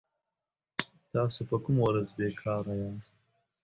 تاسو په کومه ورځ بي کاره ياست